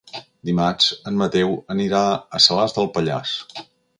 Dimarts en Mateu anirà a Salàs de Pallars.